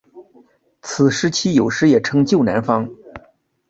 此时期有时也称旧南方。